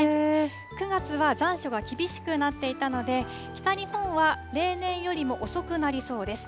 ９月は残暑が厳しくなっていたので、北日本は例年よりも遅くなりそうです。